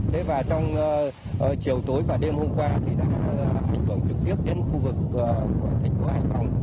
thế và trong chiều tối và đêm hôm qua thì đã ảnh hưởng trực tiếp đến khu vực của thành phố hải phòng